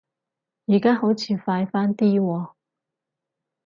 而家好似快返啲喎